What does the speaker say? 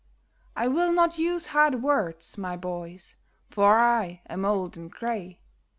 I will not use hard words, my boys, for I am old and gray.